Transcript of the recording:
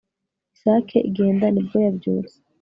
isake igenda nibwo yabyutse